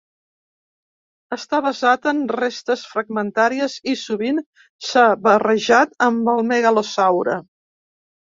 Està basat en restes fragmentàries i sovint s'ha barrejat amb el megalosaure.